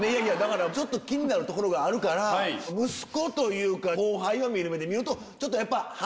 ちょっと気になるところがあるから息子というか後輩を見る目で見ると。